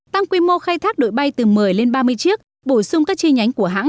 tăng quy mô khai thác đội bay từ một mươi lên ba mươi chiếc bổ sung các chi nhánh của hãng